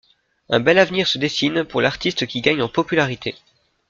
Un bel avenir se dessine pour l'artiste qui gagne en popularité.